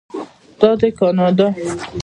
دا دی کاناډا.